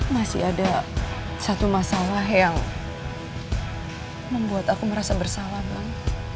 masih ada satu masalah yang membuat aku merasa bersalah bang